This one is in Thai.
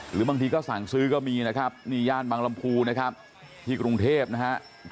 หรือบางทีก็สั่งซื้อก็มีนะครับนี่ย่านบางลำพูนะครับที่กรุงเทพนะฮะ